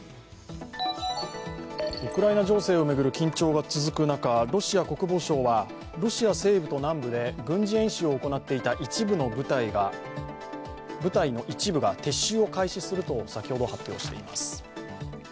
ウクライナ情勢を巡る緊張が続く中、ロシア国防省はロシア西部と南部で軍事演習を行っていた部隊の一部が撤収を開始すると先ほど発表しています。